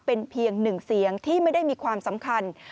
เป็นเพียงหนึ่งเสียงที่ไม่ได้มีความสำคัญ